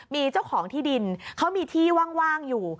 มีเจ้าของที่ดินเขามีที่ว่างอยู่